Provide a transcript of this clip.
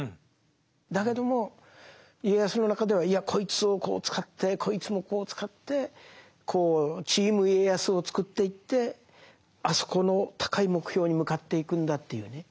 だけども家康の中ではいやこいつをこう使ってこいつもこう使ってチーム家康を作っていってあそこの高い目標に向かっていくんだっていうね